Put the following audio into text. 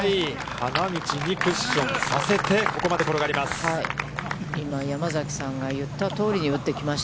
花道にクッションさせてここまで転がります。